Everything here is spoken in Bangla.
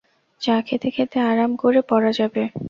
চা খেতে-খেতে আরাম করে পড়া যাবে।